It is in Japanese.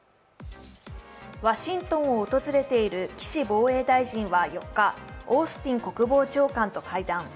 ワシントンを訪れている岸防衛大臣は４地、オースティン国防長官と会談。